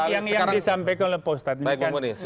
yang disampaikan oleh pak ustad